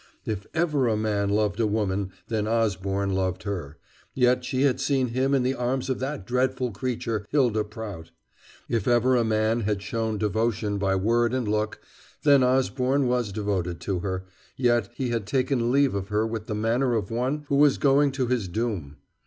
If ever a man loved a woman then Osborne loved her, yet she had seen him in the arms of that dreadful creature, Hylda Prout. If ever a man had shown devotion by word and look, then Osborne was devoted to her, yet he had taken leave of her with the manner of one who was going to his doom.